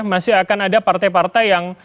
masih akan ada partai partai yang